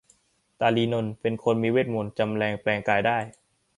ตาลีนนท์เป็นคนมีเวทมนตร์จำแลงแปลงกายได้